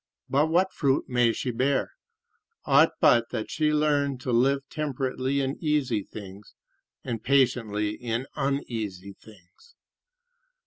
But what fruit may she bear, ought but that she learn to live temperately in easy things, and patiently in uneasy things?